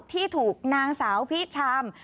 ที่ถูกนางสาวพิชาม